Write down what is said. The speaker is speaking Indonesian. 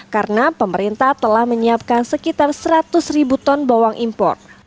karena pemerintah telah menyiapkan sekitar seratus ton bawang impor